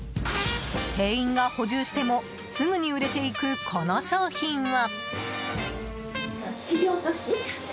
店員が補充してもすぐに売れていく、この商品は。